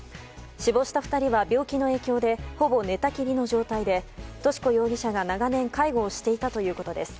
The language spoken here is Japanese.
死亡した２人は病気の影響でほぼ寝たきりの状態でとし子容疑者が長年介護をしていたということです。